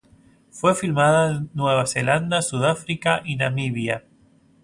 Fue filmada en Nueva Zelanda, Sudáfrica y Namibia.